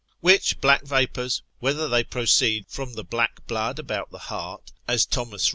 Which black vapours, whether they proceed from the black blood about the heart, as T. W.